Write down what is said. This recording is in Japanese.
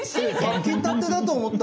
炊きたてだと思った。